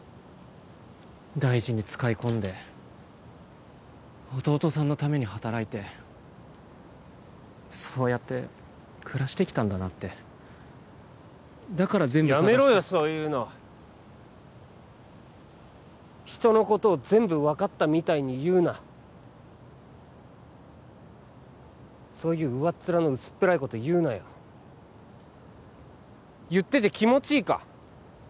大事に使い込んで弟さんのために働いてそうやって暮らしてきたんだなってだから全部捜しやめろよそういうの人のことを全部分かったみたいに言うなそういう上っ面の薄っぺらいこと言うなよ言ってて気持ちいいか？